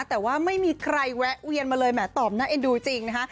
แต่ว่าไม่มีใครแวะเวียนมาเลยแหมตอบน่าเอ็นดูจริงนะคะ